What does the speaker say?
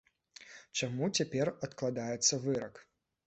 Чаму цяпер адкладаецца вырак?